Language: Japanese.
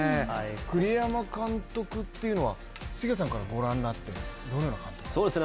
栗山監督というのは、杉谷さんからご覧になって、どのような監督ですか？